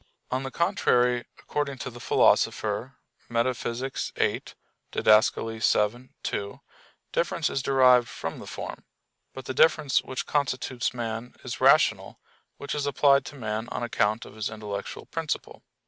On the contrary, According to the Philosopher, Metaph. viii (Did. vii 2), difference is derived from the form. But the difference which constitutes man is "rational," which is applied to man on account of his intellectual principle.